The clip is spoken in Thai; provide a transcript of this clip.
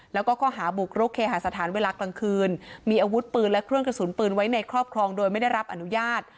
แล้วก็ข้อหาบุกรุกเคหาสถานเวลากลางคืนมีอาวุธปืนและเครื่องกระสุนปืนไว้ในครอบครองโดยไม่ได้รับอนุญาต